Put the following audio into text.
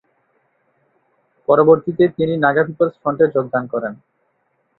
পরবর্তীতে, তিনি নাগা পিপলস ফ্রন্টে যোগদান করেন।